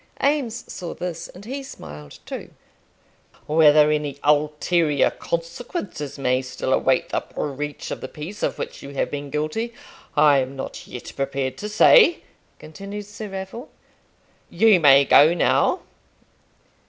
Eames saw this, and he smiled too. "Whether any ulterior consequences may still await the breach of the peace of which you have been guilty, I am not yet prepared to say," continued Sir Raffle. "You may go now."